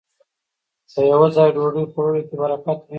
په يوه ځای ډوډۍ خوړلو کې برکت وي